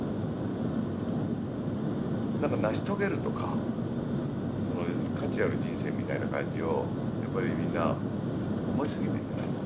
何か成し遂げるとか価値ある人生みたいな感じをやっぱりみんな思いすぎてんじゃないの。